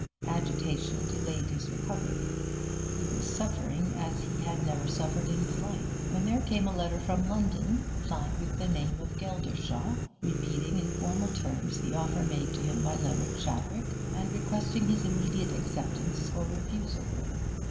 Agitation delayed his recovery; he was suffering as he had never suffered in his life, when there came a letter from London, signed with the name of Geldershaw, repeating in formal terms the offer made to him by Leonard Chadwick, and requesting his immediate acceptance or refusal.